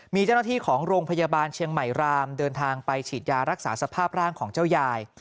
มีเจ้าหน้าที่ของโรงพยาบาลเชียงใหม่รามเดินทางไปฉีดยารักษาสภาพร่างของเจ้ายาย